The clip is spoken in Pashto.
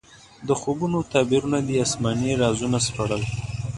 د خوبونو تعبیرونه دې اسماني رازونه سپړل.